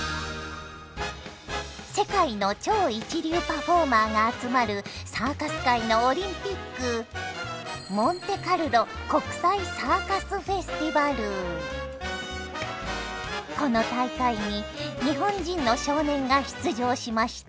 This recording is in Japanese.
世界の超一流パフォーマーが集まるサーカス界のオリンピックこの大会に日本人の少年が出場しました。